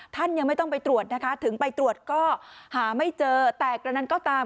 ท่านยังไม่ต้องไปตรวจนะคะถึงไปตรวจก็หาไม่เจอแต่กระนั้นก็ตาม